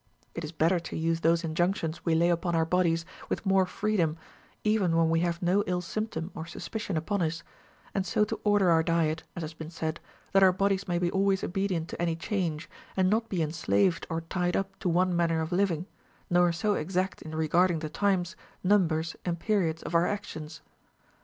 It is better to use those inj mictions we lay upon our bodies with more freedom, even when we have no ill symp tom or suspicion upon us ; and so to order our diet (as has been said), that our bodies may be always obedient to any change, and not be enslaved or tied up to one manner of living, nor so exact in regarding the times, numbers, and periods of our actions.